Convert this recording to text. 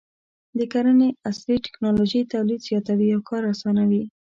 د کرنې عصري ټکنالوژي تولید زیاتوي او کار اسانوي.